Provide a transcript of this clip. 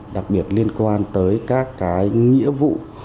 đặc biệt liên quan tới các cái nghĩa vụ